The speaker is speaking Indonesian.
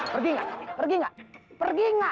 pergi gak pergi gak pergi gak